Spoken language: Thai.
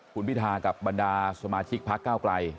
คุณพิธากับบรรดาสมาชิกพักเก้าไกล